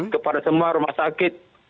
kepada semua rumah sakit